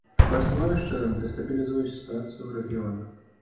Такое становішча дэстабілізуе сітуацыю ў рэгіёнах.